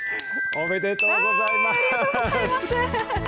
おめでとうございます。